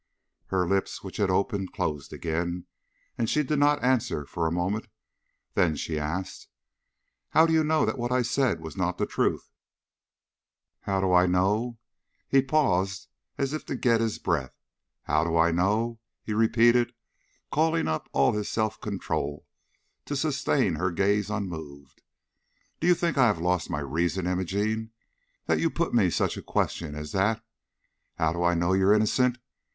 Her lips, which had opened, closed again, and she did not answer for a moment; then she asked: "How do you know that what I said was not the truth?" "How do I know?" He paused as if to get his breath. "How do I know?" he repeated, calling up all his self control to sustain her gaze unmoved. "Do you think I have lost my reason, Imogene, that you put me such a question as that? How do I know you are innocent?